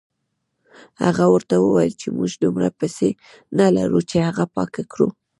هغه ورته وویل چې موږ دومره پیسې نه لرو چې هغه پاکه کړو.